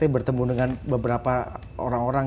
bertemu dengan beberapa orang orang